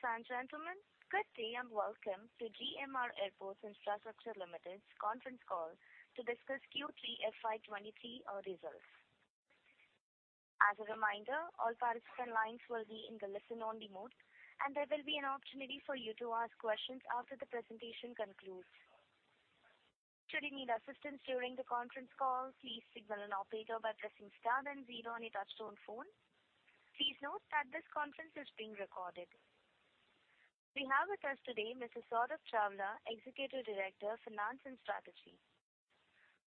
Ladies and gentlemen, good day, and welcome to GMR Airports Infrastructure Limited's conference call to discuss Q3 FY 23 results. As a reminder, all participant lines will be in the listen-only mode, and there will be an opportunity for you to ask questions after the presentation concludes. Should you need assistance during the conference call, please signal an operator by pressing star then zero on your touchtone phone. Please note that this conference is being recorded. We have with us today Mr. Saurabh Chawla, Executive Director of Finance and Strategy.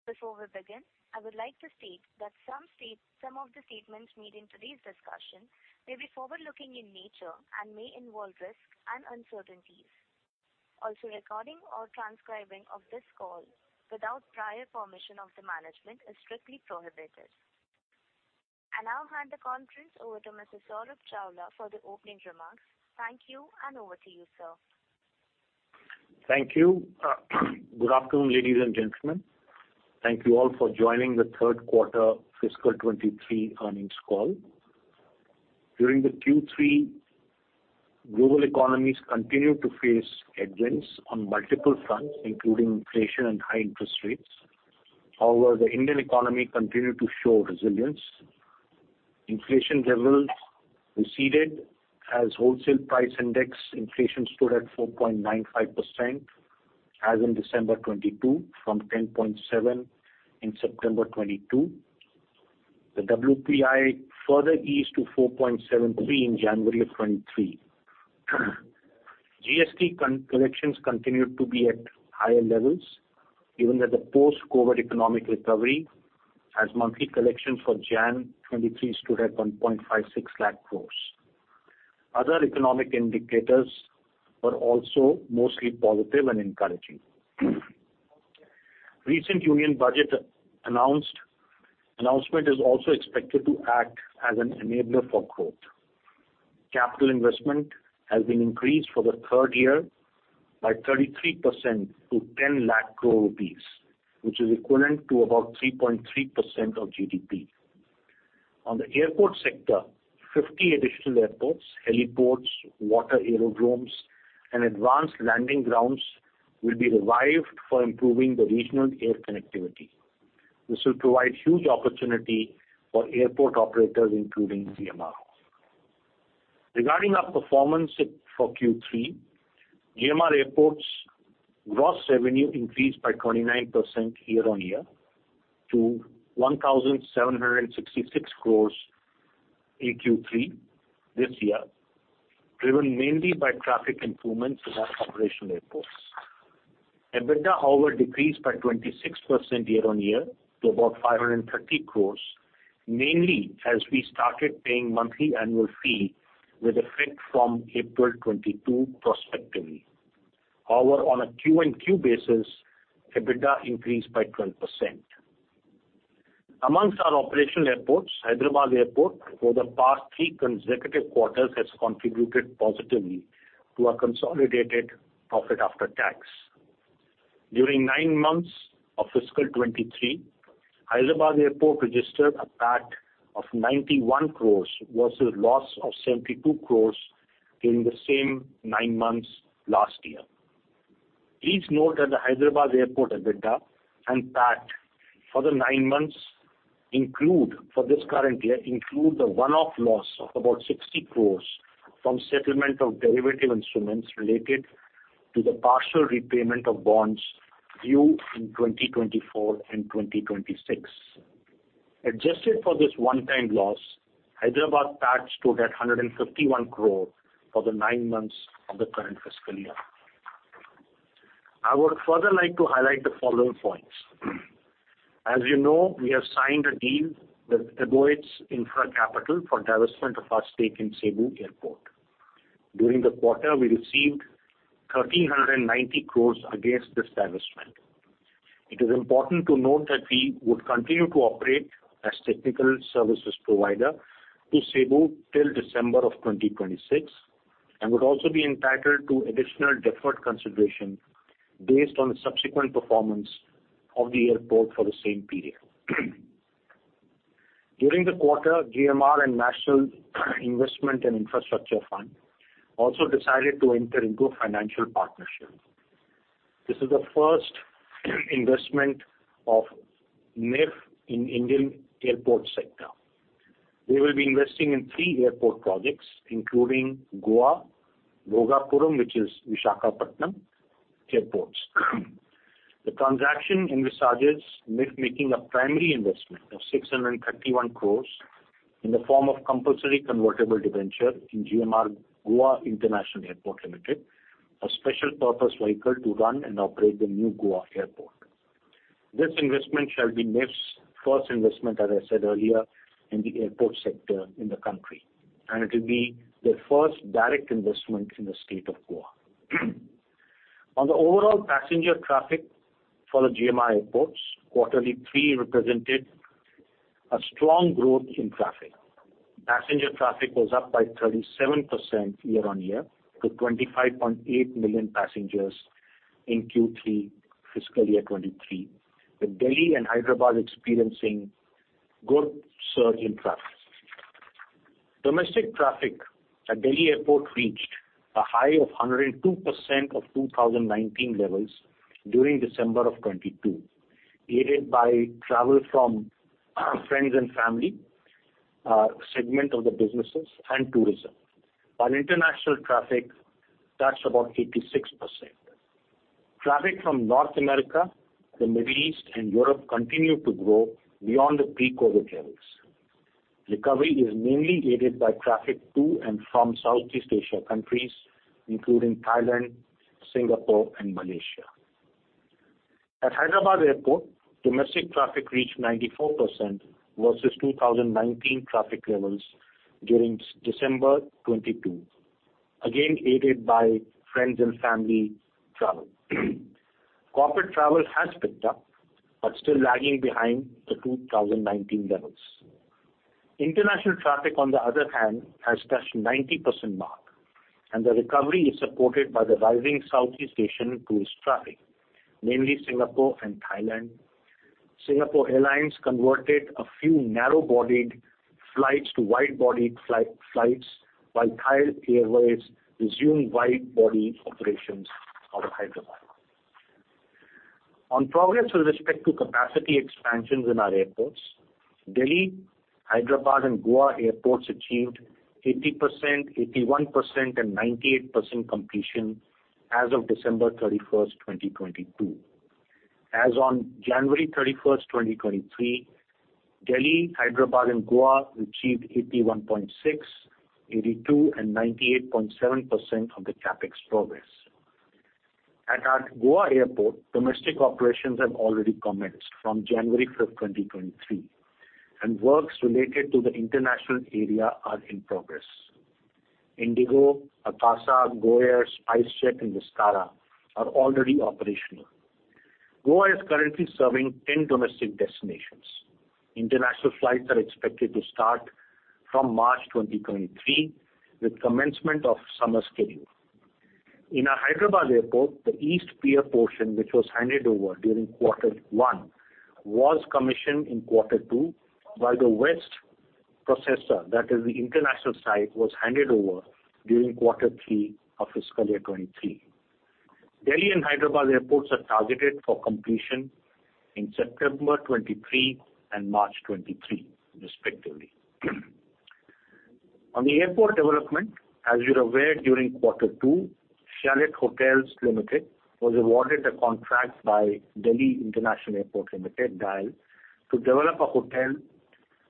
Before we begin, I would like to state that some of the statements made in today's discussion may be forward-looking in nature and may involve risks and uncertainties. Also, recording or transcribing of this call without prior permission of the management is strictly prohibited. I now hand the conference over to Mr. Saurabh Chawla for the opening remarks. Thank you. Over to you, sir. Thank you. Good afternoon, ladies and gentlemen. Thank you all for joining the Q3 fiscal 23 earnings call. During the Q3, global economies continued to face headwinds on multiple fronts, including inflation and high interest rates. The Indian economy continued to show resilience. Inflation levels receded as Wholesale Price Index inflation stood at 4.95% as in December 2022 from 10.7% in September 2022. The WPI further eased to 4.73% in January 2023. GST collections continued to be at higher levels given that the post-COVID economic recovery as monthly collection for January 2023 stood at 1.56 lakh crores. Other economic indicators were also mostly positive and encouraging. Recent Union Budget announcement is also expected to act as an enabler for growth. Capital investment has been increased for the third year by 33% to 10 lakh crore rupees, which is equivalent to about 3.3% of GDP. On the airport sector, 50 additional airports, heliports, water aerodromes, and advanced landing grounds will be revived for improving the regional air connectivity. This will provide huge opportunity for airport operators, including GMR. Regarding our performance, for Q3, GMR Airports gross revenue increased by 29% year-on-year to 1,766 crore in Q3 this year, driven mainly by traffic improvements in our operational airports. EBITDA, however, decreased by 26% year-on-year to about 530 crore, mainly as we started paying monthly annual fee with effect from April 2022 prospectively. On a QonQ basis, EBITDA increased by 20%. Amongst our operational airports, Hyderabad Airport for the past three consecutive quarters has contributed positively to our consolidated profit after tax. During nine months of fiscal 2023, Hyderabad Airport registered a PAT of 91 crores versus loss of 72 crores during the same nine months last year. Please note that the Hyderabad Airport EBITDA and PAT for the nine months, for this current year, include the one-off loss of about 60 crores from settlement of derivative instruments related to the partial repayment of bonds due in 2024 and 2026. Adjusted for this one-time loss, Hyderabad PAT stood at 151 crore for the nine months of the current fiscal year. I would further like to highlight the following points. As you know, we have signed a deal with Aboitiz InfraCapital for divestment of our stake in Cebu Airport. During the quarter, we received 1,390 crores against this divestment. It is important to note that we would continue to operate as technical services provider to Cebu till December 2026 and would also be entitled to additional deferred consideration based on the subsequent performance of the airport for the same period. During the quarter, GMR and National Investment and Infrastructure Fund also decided to enter into a financial partnership. This is the first investment of NIIF in Indian airport sector. We will be investing in three airport projects, including Goa, Bhogapuram, which is Visakhapatnam Airports. The transaction envisages NIIF making a primary investment of 631 crores in the form of compulsory convertible debenture in GMR Goa International Airport Limited, a special purpose vehicle to run and operate the new Goa Airport. This investment shall be NIIF's first investment, as I said earlier, in the airport sector in the country. It will be their first direct investment in the state of Goa. On the overall passenger traffic for the GMR Airports, Q3 represented a strong growth in traffic. Passenger traffic was up by 37% year-over-year to 25.8 million passengers in Q3 fiscal year 2023, with Delhi and Hyderabad experiencing good surge in traffic. Domestic traffic at Delhi Airport reached a high of 102% of 2019 levels during December 2022, aided by travel from friends and family segment of the businesses and tourism, while international traffic touched about 56%. Traffic from North America, the Middle East, and Europe continued to grow beyond the pre-COVID levels. Recovery is mainly aided by traffic to and from Southeast Asia countries, including Thailand, Singapore, and Malaysia. At Hyderabad Airport, domestic traffic reached 94% versus 2019 traffic levels during December 2022. Aided by friends and family travel. Corporate travel has picked up, still lagging behind the 2019 levels. International traffic, on the other hand, has touched 90% mark, the recovery is supported by the rising Southeast Asian tourist traffic, mainly Singapore and Thailand. Singapore Airlines converted a few narrow-bodied flights to wide-bodied flights, while Thai Airways resumed wide-body operations out of Hyderabad. On progress with respect to capacity expansions in our airports, Delhi, Hyderabad, and Goa airports achieved 80%, 81%, and 98% completion as of December 31st, 2022. As on January 31st, 2023, Delhi, Hyderabad, and Goa achieved 81.6%, 82%, and 98.7% of the CapEx progress. At our Goa airport, domestic operations have already commenced from January 5th, 2023, and works related to the international area are in progress. IndiGo, Akasa, GoAir, SpiceJet, and Vistara are already operational. Goa is currently serving 10 domestic destinations. International flights are expected to start from March 2023 with commencement of summer schedule. In our Hyderabad airport, the East Pier portion, which was handed over during Q1, was commissioned in Q2, while the West Pier, that is the international side, was handed over during Q3 of fiscal year 2023. Delhi and Hyderabad airports are targeted for completion in September 2023 and March 2023, respectively. On the airport development, as you're aware, during Q2, Chalet Hotels Limited was awarded a contract by Delhi International Airport Limited, DIAL, to develop a hotel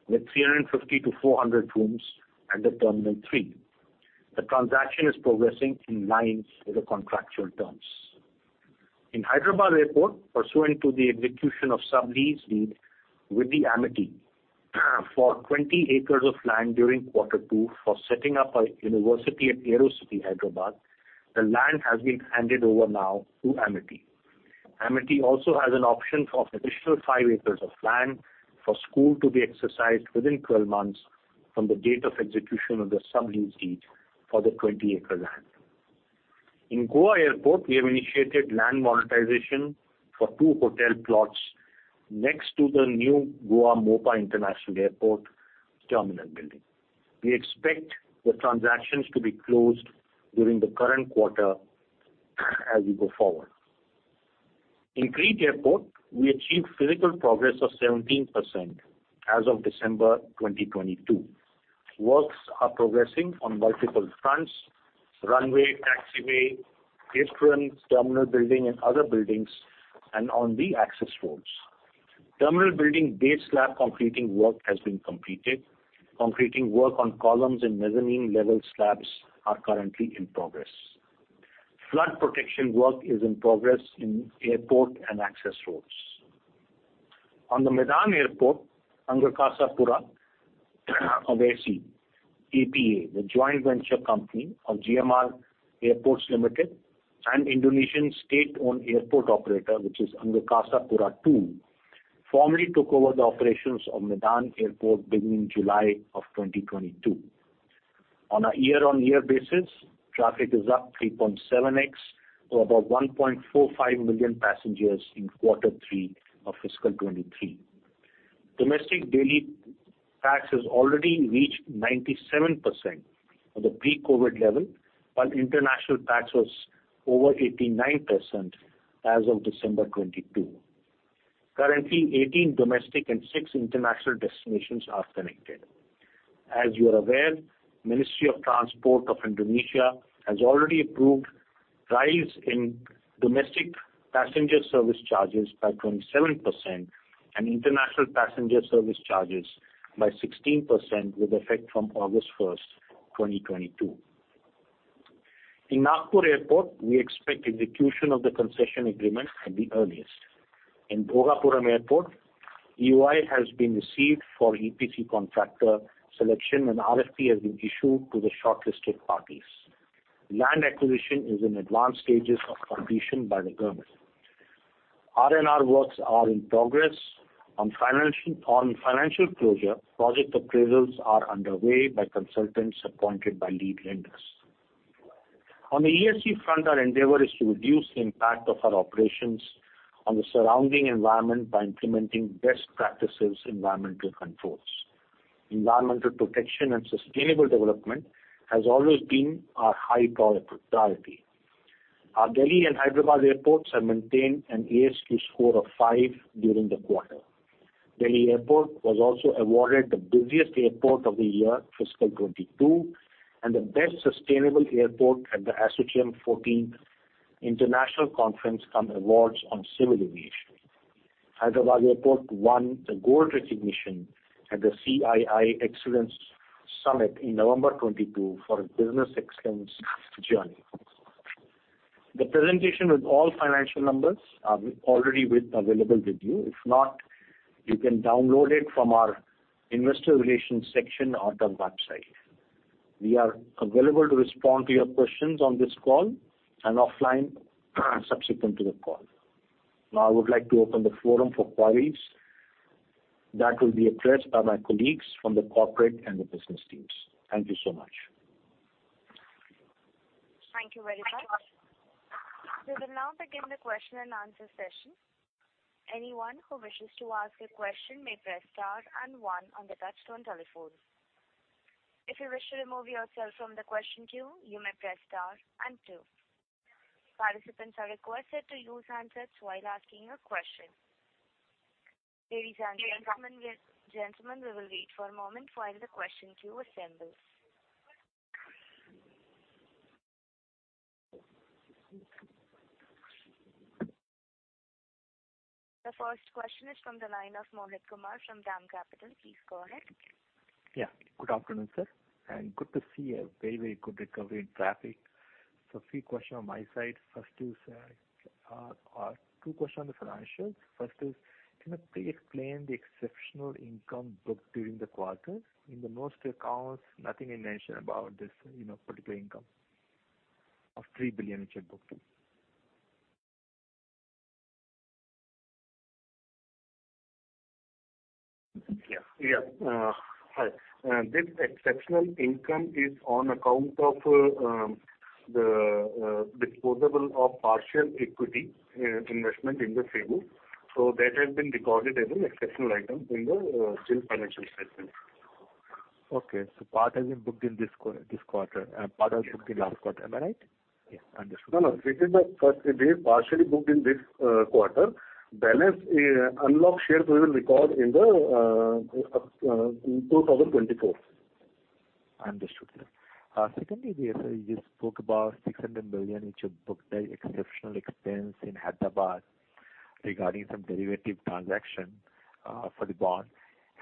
with 350 to 400 rooms at the terminal three. The transaction is progressing in line with the contractual terms. In Hyderabad Airport, pursuant to the execution of sublease deed with the Amity for 20 acres of land during Q2 for setting up a university at Aerocity Hyderabad, the land has been handed over now to Amity. Amity also has an option for additional 5 acres of land for school to be exercised within 12 months from the date of execution of the sublease deed for the 20-acre land. In Goa Airport, we have initiated land monetization for two hotel plots next to the new Goa Mopa International Airport terminal building. We expect the transactions to be closed during the current quarter as we go forward. In Crete Airport, we achieved physical progress of 17% as of December 2022. Works are progressing on multiple fronts: runway, taxiway, aprons, terminal building, and other buildings, and on the access roads. Terminal building base slab concreting work has been completed. Concreting work on columns and mezzanine level slabs are currently in progress. Flood protection work is in progress in airport and access roads. On the Medan Airport, Angkasa Pura Aviasi, APA, the joint venture company of GMR Airports Limited and Indonesian state-owned airport operator, which is Angkasa Pura II, formally took over the operations of Medan Airport beginning July 2022. On a year-on-year basis, traffic is up 3.7x to about 1.45 million passengers in Q3 of fiscal 2023. Domestic daily packs has already reached 97% of the pre-COVID level, while international packs was over 89% as of December 2022. Currently, 18 domestic and six international destinations are connected. As you are aware, Ministry of Transport of Indonesia has already approved rise in domestic passenger service charges by 27% and international passenger service charges by 16% with effect from August 1st, 2022. In Nagpur Airport, we expect execution of the concession agreement at the earliest. In Bhogapuram Airport, EOI has been received for EPC contractor selection, RFP has been issued to the shortlisted parties. Land acquisition is in advanced stages of completion by the government. RNR works are in progress. On financial closure, project appraisals are underway by consultants appointed by lead lenders. On the ESG front, our endeavor is to reduce the impact of our operations on the surrounding environment by implementing best practices environmental controls. Environmental protection and sustainable development has always been our high priority. Our Delhi and Hyderabad airports have maintained an ESG score of five during the quarter. Delhi Airport was also awarded the busiest airport of the year fiscal 2022, and the best sustainable airport at the ASSOCHAM 14th International Conference and Awards on Civil Aviation. Hyderabad Airport won the gold recognition at the CII Excellence Summit in November 2022 for business excellence journey. The presentation with all financial numbers are already available with you. If not, you can download it from our investor relations section on the website. We are available to respond to your questions on this call and offline subsequent to the call. Now I would like to open the forum for queries that will be addressed by my colleagues from the corporate and the business teams. Thank you so much. Thank you very much. We will now begin the Q&A session. Anyone who wishes to ask a question may press star and one on the touchtone telephone. If you wish to remove yourself from the question queue, you may press star and two. Participants are requested to use handsets while asking a question. Ladies and gentlemen, we will wait for a moment while the question queue assembles. The first question is from the line of Mohit Kumar from DAM Capital. Please go ahead. Yeah, good afternoon, sir, and good to see a very, very good recovery in traffic. Three question on my side. First is, two question on the financials. First is, can you please explain the exceptional income booked during the quarter? In the most accounts, nothing is mentioned about this, you know, particular income of 3 billion which you've booked. Yeah. Hi. This exceptional income is on account of the disposable of partial equity investment in the Cebu. That has been recorded as an exceptional item in the still financial statement. Okay. Part has been booked in this quarter, part has booked in last quarter. Am I right? Yeah. Understood. No, no. This is the first it is partially booked in this quarter. Balance unlocked shares we will record in 2024. Understood, sir. Secondly, the SLA, you spoke about 600 million which you booked as exceptional expense in Hyderabad regarding some derivative transaction for the bond.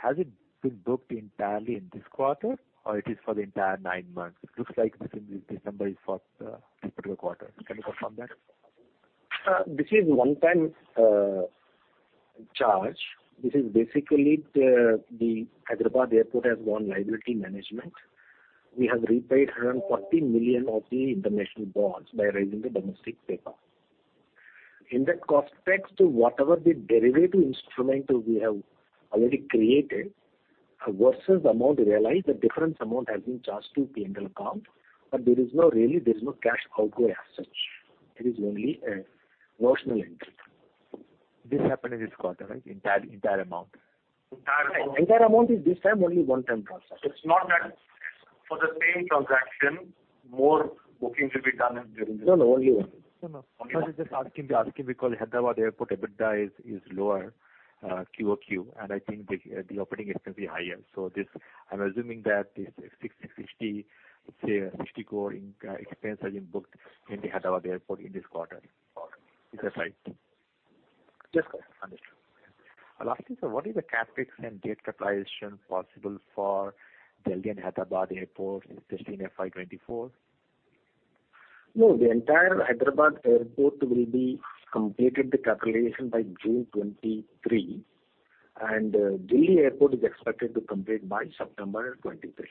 Has it been booked entirely in this quarter, or it is for the entire 9 months? It looks like this is the number is for the particular quarter. Can you confirm that? This is one time charge. This is basically the Hyderabad Airport has gone liability management. We have repaid $140 million of the international bonds by raising the domestic paper. In that cost, thanks to whatever the derivative instrument we have already created, a versus amount realized, the difference amount has been charged to P&L account, but there is no really, there is no cash outflow as such. It is only a notional entry. This happened in this quarter, right? Entire, entire amount. Entire amount. Entire amount is this time only one time process. It's not that for the same transaction more bookings will be done during this- No, no. Only one. No, no. I was just asking because Hyderabad Airport EBITDA is lower QoQ, and I think the operating expense is higher. This I'm assuming that this 60 crore expense has been booked in the Hyderabad Airport in this quarter. Is that right? Yes, correct. Understood. Lastly, sir, what is the CapEx and debt capitalization possible for Delhi and Hyderabad Airport, especially in FY 2024? The entire Hyderabad Airport will be completed the capitalization by June 2023. Delhi Airport is expected to complete by September 2023.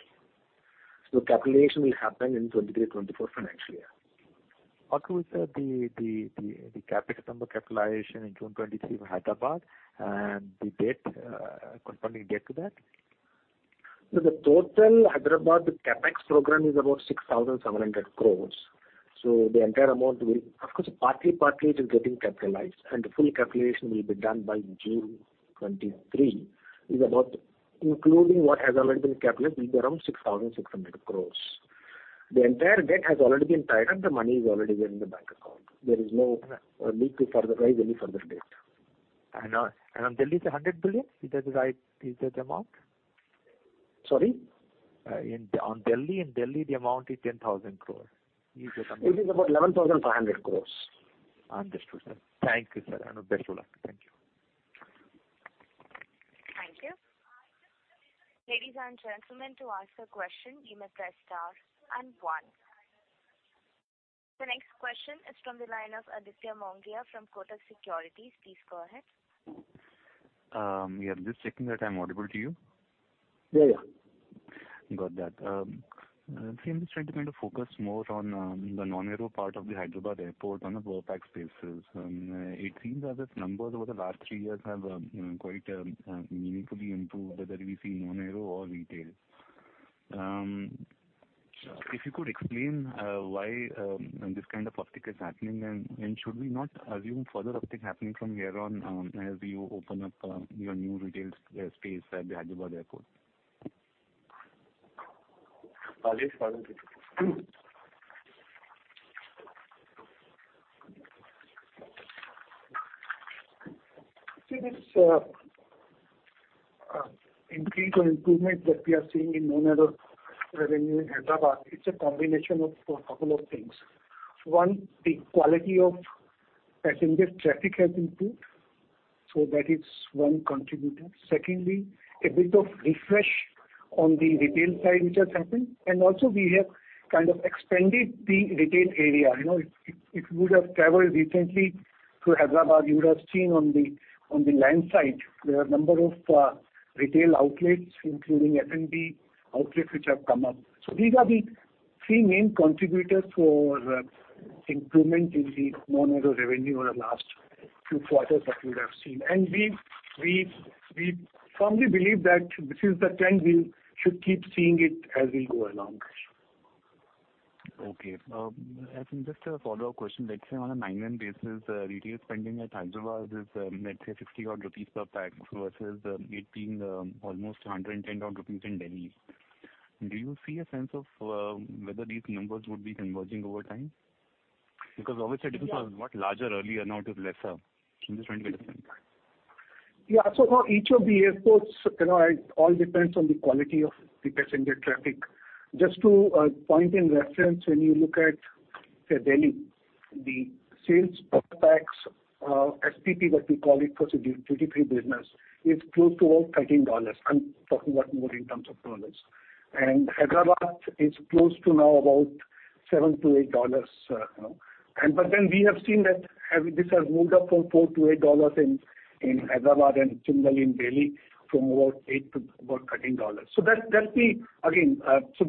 Capitalization will happen in 2023/2024 financial year. What will be the CapEx number capitalization in June 2023 for Hyderabad and the debt, corresponding debt to that? The total Hyderabad CapEx program is about 6,700 crores. The entire amount, of course, partly it is getting capitalized, and the full capitalization will be done by June 2023, is about including what has already been capitalized, will be around 6,600 crores. The entire debt has already been tied up. The money is already there in the bank account. There is no need to further raise any further debt. Delhi is INR 100 billion? Is that the amount? Sorry? On Delhi. In Delhi, the amount is 10,000 crore. It is about 11,500 crores. Understood, sir. Thank you, sir, and best of luck. Thank you. Thank you. Ladies and gentlemen, to ask a question, you may press star and one. The next question is from the line of Aditya Mongia from Kotak Securities. Please go ahead. Yeah. Just checking that I'm audible to you. Yeah, yeah. Got that. Actually, I'm just trying to kind of focus more on the non-aero part of the Hyderabad airport on the NON-AER spaces. It seems as if numbers over the last three years have, you know, quite meaningfully improved whether we see non-aero or retail. If you could explain why this kind of uptick is happening and should we not assume further uptick happening from here on as you open up your new retail space at Hyderabad Airport? Rajesh, why don't you take this? See this increase or improvement that we are seeing in non-aero revenue in Hyderabad, it's a combination of a couple of things. One, the quality of passenger traffic has improved. That is one contributor. Secondly, a bit of refresh on the retail side which has happened, and also we have kind of expanded the retail area. You know, if you would have traveled recently to Hyderabad, you would have seen on the land side, there are a number of retail outlets, including F&B outlets which have come up. These are the three main contributors for improvement in the non-aero revenue over the last few quarters that you would have seen. We firmly believe that this is the trend, we should keep seeing it as we go along. Okay. I think just a follow-up question. Let's say on a nine-month basis, retail spending at Hyderabad is, let's say 60 odd rupees per pax versus it being, almost 110 odd rupees in Delhi. Do you see a sense of whether these numbers would be converging over time? Because obviously the difference was a lot larger earlier, now it is lesser. I'm just trying to get a sense. Yeah. For each of the airports, you know, it all depends on the quality of the passenger traffic. Just to point in reference, when you look at, say, Delhi, the sales per pax, SPP that we call it for the duty-free business, is close to about $13. I'm talking about more in terms of dollars. Hyderabad is close to now about $7 to $8, you know. We have seen that this has moved up from $4 to $8 in Hyderabad, and similarly in Delhi from about $8 to $13. That, that's the. Again,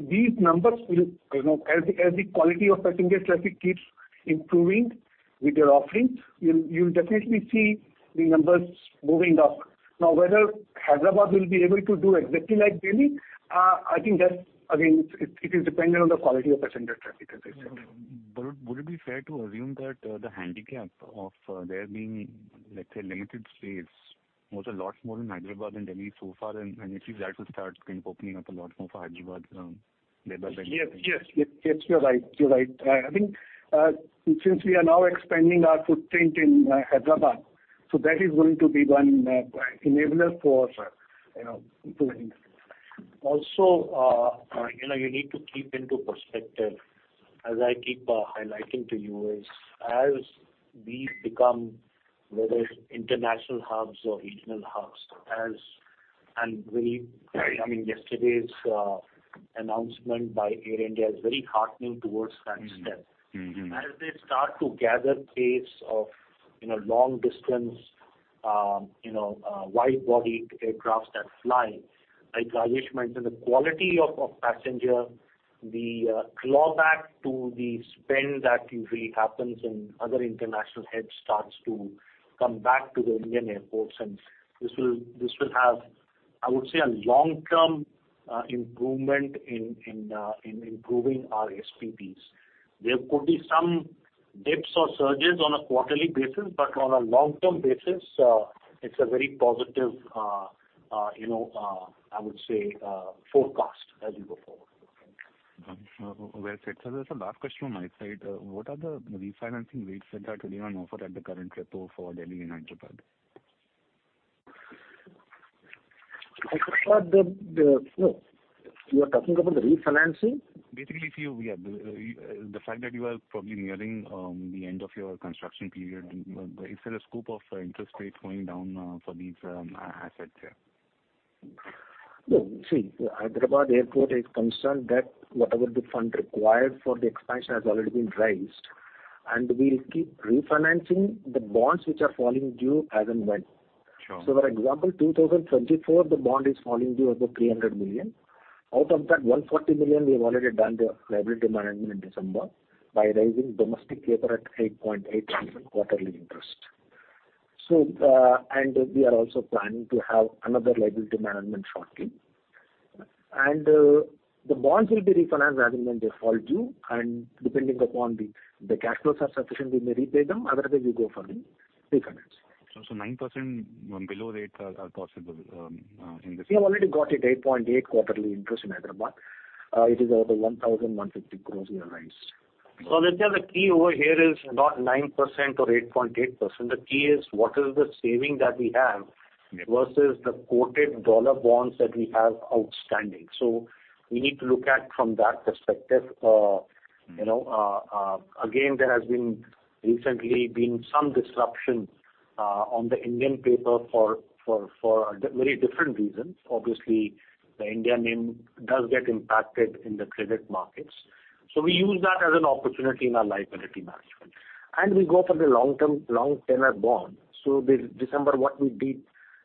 these numbers will, you know, as the quality of passenger traffic keeps improving with their offerings, you'll definitely see the numbers moving up. Whether Hyderabad will be able to do exactly like Delhi, I think that, again, it is dependent on the quality of passenger traffic, as I said. Would it be fair to assume that, the handicap of there being, let's say, limited space was a lot more in Hyderabad than Delhi so far, and if that will start kind of opening up a lot more for Hyderabad? Yes. Yes. Yes, you're right. You're right. I think, since we are now expanding our footprint in Hyderabad, that is going to be one enabler for, you know, improving this. Also, you know, you need to keep into perspective, as I keep highlighting to you is as these become whether international hubs or regional hubs, Right. I mean, yesterday's announcement by Air India is very heartening towards that step. Mm-hmm, mm-hmm. As they start to gather pace of, you know, long-distance, you know, wide-body aircraft that fly, like Rajesh mentioned, the quality of passenger, the clawback to the spend that usually happens in other international heads starts to come back to the Indian airports. This will have, I would say, a long-term improvement in improving our SPPs. There could be some dips or surges on a quarterly basis, but on a long-term basis, it's a very positive, you know, I would say, forecast as we go forward. Well said. Sir, there's a last question on my side. What are the refinancing rates that are today on offer at the current repo for Delhi and Hyderabad? I'm sorry, the, you are talking about the refinancing? Yeah, the fact that you are probably nearing the end of your construction period, is there a scope of interest rates going down for these assets here? See, Hyderabad Airport is concerned that whatever the fund required for the expansion has already been raised, and we'll keep refinancing the bonds which are falling due as and when. Sure. For example, 2024, the bond is falling due of the 300 million. Out of that 140 million we have already done the liability management in December by raising domestic paper at 8.8% quarterly interest. And we are also planning to have another liability management shortly. And the bonds will be refinanced as and when they fall due, and depending upon the cash flows are sufficient, we may repay them, otherwise we go for the refinance. 9% below rates are possible. We have already got at 8.8% quarterly interest in Hyderabad. It is about 1,150 crores we have raised. Nitin, the key over here is not 9% or 8.8%, the key is what is the saving that we have Yeah. versus the quoted dollar bonds that we have outstanding. We need to look at from that perspective. you know, again, there has been recently been some disruption on the Indian paper for very different reasons. Obviously, the Indian name does get impacted in the credit markets. We use that as an opportunity in our liability management. We go for the long-term, long tenure bond. The December, what we did,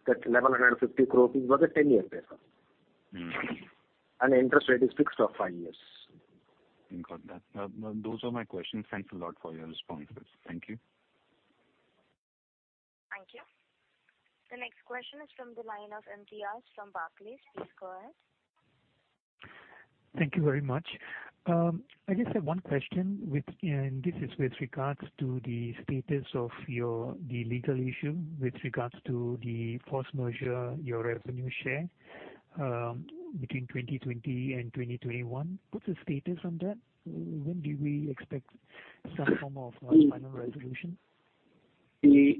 that 1,150 crores was a 10-year paper. Mm. Interest rate is fixed for five years. Got that. Those are my questions. Thanks a lot for your responses. Thank you. Question is from the line of MTR from Barclays. Please go ahead. Thank you very much. I just have one question with regards to the status of the legal issue with regards to the force majeure, your revenue share, between 2020 and 2021. What's the status on that? When do we expect some form of final resolution? The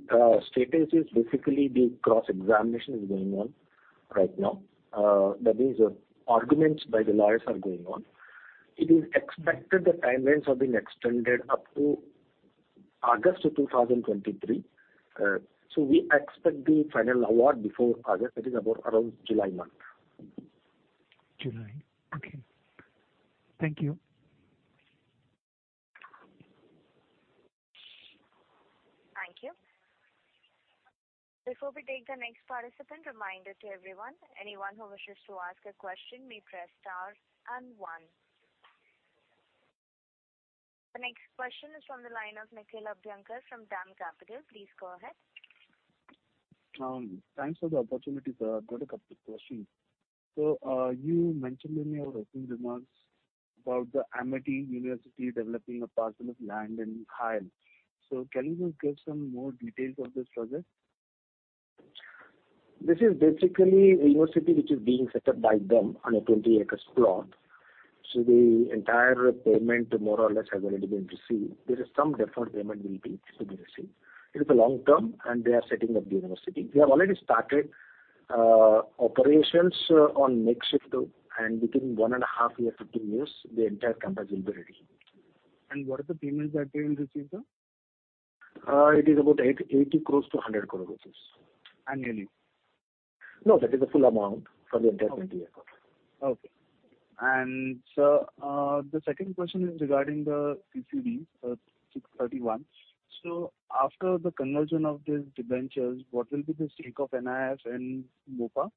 status is basically the cross-examination is going on right now. That is, arguments by the lawyers are going on. It is expected the timelines have been extended up to August of 2023. We expect the final award before August. That is about around July month. July. Okay. Thank you. Thank you. Before we take the next participant, reminder to everyone, anyone who wishes to ask a question may press star and one. The next question is from the line of Nikhil Abhyankar from DAM Capital. Please go ahead. Thanks for the opportunity, sir. I've got a couple of questions. You mentioned in your opening remarks about the Amity University developing a parcel of land in Khail. Can you just give some more details of this project? This is basically a university which is being set up by them on a 20 acres plot. The entire payment more or less has already been received. There is some deferred payment to be received. It is a long term. They are setting up the university. We have already started operations on next shift. Between 1.5 years to two years, the entire campus will be ready. What are the payments that they will receive, sir? It is about 880 crores to 100 crore rupees. Annually? No, that is the full amount for the entire 20 acres. Okay. Sir, the second question is regarding the CCD, 631. After the conversion of these debentures, what will be the stake of AIC in GGIAL?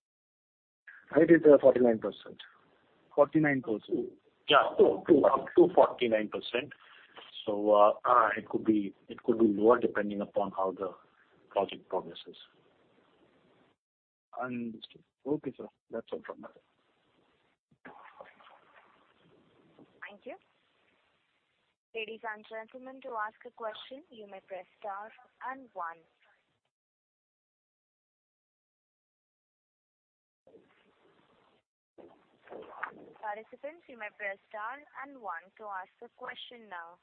It is 49%. 49%? Yeah. To, up to 49%. It could be, it could be lower depending upon how the project progresses. Understood. Okay, sir. That's all from my side. Thank you. Ladies and gentlemen, to ask a question you may press star and one. Participants, you may press star and one to ask a question now.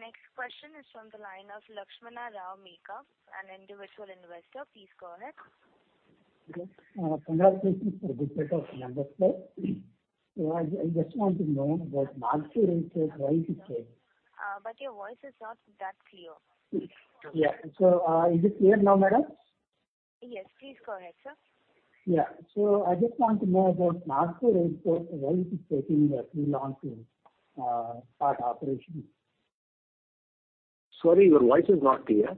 The next question is from the line of Lakshmana Rao Meka, an individual investor. Please go ahead. Congratulations for a good set of numbers, sir. I just want to know about Nagpur Airport, why it is. Your voice is not that clear. Yeah. Is it clear now, madam? Yes, please go ahead, sir. Yeah. I just want to know about Nagpur Airport, why it is taking that long to start operations? Sorry, your voice is not clear.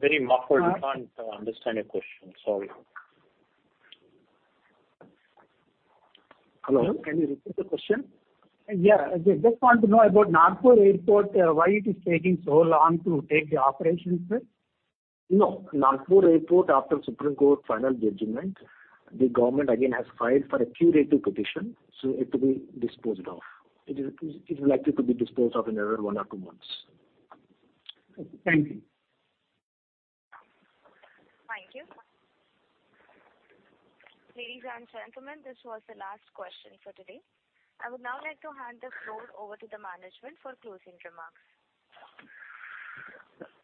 Very muffled. We can't understand your question. Sorry. Hello, can you repeat the question? Yeah. I just want to know about Nagpur Airport, why it is taking so long to take the operations, sir? Nagpur Airport, after Supreme Court final judgment, the government again has filed for a curative petition, so it will be disposed of. It is likely to be disposed of in another one or two months. Thank you. Thank you. Ladies and gentlemen, this was the last question for today. I would now like to hand the floor over to the management for closing remarks.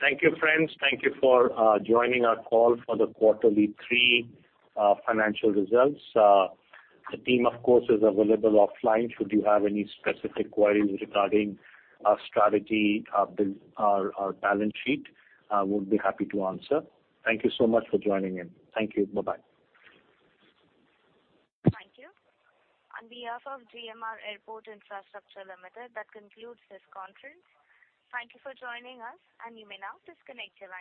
Thank you, friends. Thank you for joining our call for the Q3 financial results. The team, of course, is available offline should you have any specific queries regarding our strategy, our balance sheet, we'll be happy to answer. Thank you so much for joining in. Thank you. Bye-bye. Thank you. On behalf of GMR Airports Infrastructure Limited, that concludes this conference. Thank you for joining us. You may now disconnect your lines.